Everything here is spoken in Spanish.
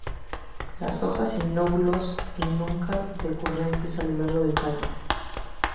Las hojas sin lóbulos y nunca decurrentes a lo largo del tallo.